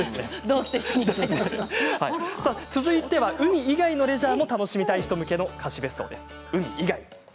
さあ、続いては海以外のレジャーも楽しみたい人向けの貸し別荘。